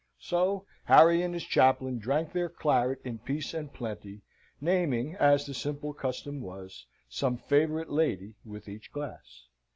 So Harry and his chaplain drank their claret in peace and plenty, naming, as the simple custom was, some favourite lady with each glass.